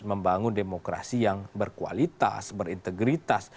membangun demokrasi yang berkualitas berintegritas